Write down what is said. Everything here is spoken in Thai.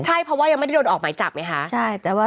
ใช่เพราะว่ายังไม่ได้โดนออกหมายจับไงคะ